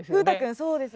そうです。